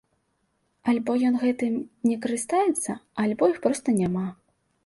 Альбо ён гэтым не карыстаецца, альбо іх проста няма.